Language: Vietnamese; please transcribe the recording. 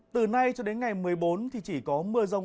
từ nay cho đến ngày một mươi bốn thì chỉ có mưa rông